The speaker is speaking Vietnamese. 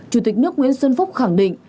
chủ tịch nước nguyễn xuân phúc khẳng định